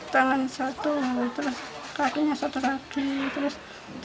tangan satu terus kakinya satu lagi terus tangan satu lagi terus kaki lagi